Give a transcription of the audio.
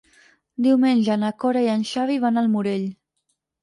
Diumenge na Cora i en Xavi van al Morell.